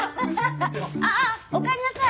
ああおかえりなさい。